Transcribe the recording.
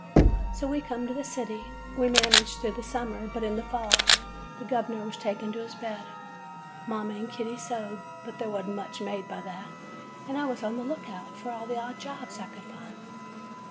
"So we come to the city. We managed through the summer, but in the fall the gov 'ner was taken to his bed. Mother and Kitty sewed, but there was n't much made by that, and I was on the lookout for all the odd jobs I could find.